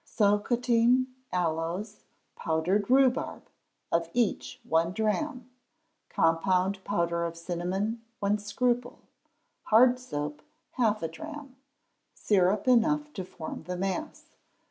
Socotine aloes, powdered rhubarb, of each one drachm; compound powder of cinnamon, one scruple; hard soap, half a drachm; syrup enough to form the mass.